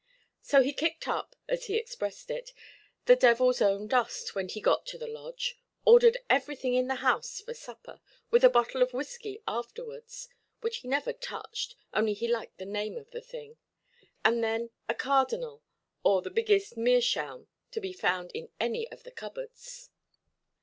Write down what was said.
So he kicked up, as he expressed it, "the devilʼs own dust" when he got to the Lodge, ordered everything in the house for supper, with a bottle of whisky afterwards—which he never touched, only he liked the name of the thing—and then a cardinal, or the biggest meerschaum to be found in any of the cupboards.